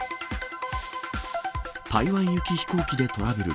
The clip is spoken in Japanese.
台湾行き飛行機でトラブル。